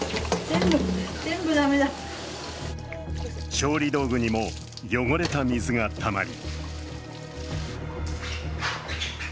調理道具にも汚れた水がたまり